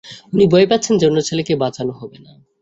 উনি ভয় পাচ্ছেন যে, ওনার ছেলেকে বাঁচানো হবে না।